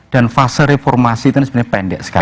dan fase reformasi itu sebenarnya pendek sekali